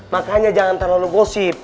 makanya jangan terlalu gosip